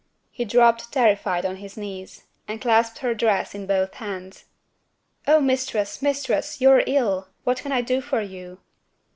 He dropped terrified on his knees, and clasped her dress in both hands. "Oh, Mistress, Mistress, you are ill! What can I do for you?"